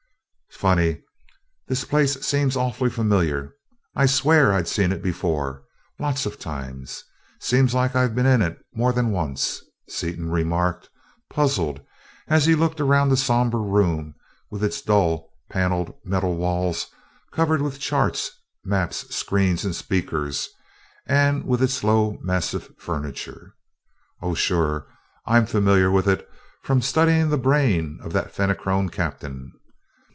"'Sfunny. This place seems awfully familiar I'd swear I'd seen it before, lots of times seems like I've been in it, more than once," Seaton remarked, puzzled, as he looked around the somber room, with its dull, paneled metal walls covered with charts, maps, screens, and speakers; and with its low, massive furniture. "Oh, sure, I'm familiar with it from studying the brain of that Fenachrone captain.